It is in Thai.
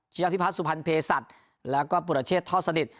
เจ้าพิพัทธ์สุพันธ์เพศัตริย์แล้วก็ปุราเชษฐ์ท่อสนิท